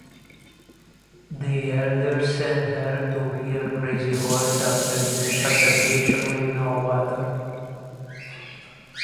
The elders sent her to heal Crazy Horse after his altercation with No Water.